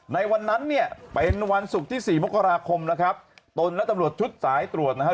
ในวันนั้นเนี่ยเป็นวันศุกร์ที่๔มกราคมตนและตำรวจชุดสายตรวจนะครับ